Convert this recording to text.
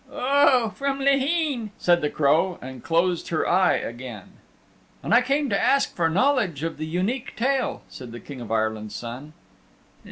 "Oh, from Laheen," said the Crow and dosed her eye again. "And I came to ask for knowledge of the Unique Tale," said the King of Ireland's Son.